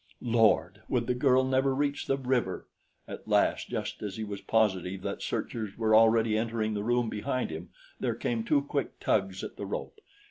Lord! Would the girl never reach the river? At last, just as he was positive that searchers were already entering the room behind him, there came two quick tugs at the rope.